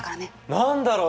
何だろう？